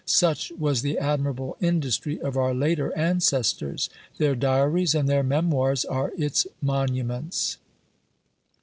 Such was the admirable industry of our later ancestors: their diaries and their memoirs are its monuments!